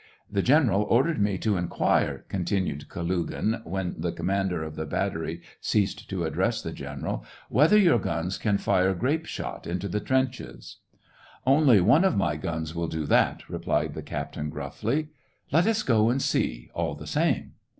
" The general ordered me to in quire," continued Kalugin, when the commander of the battery ceased to address the general, "whether your guns can fire grape shot into the trenches." 84 SEVASTOPOL IN MAY. " Only one of my guns will do that," replied the captain, gruffly. " Let us go and see, all the same."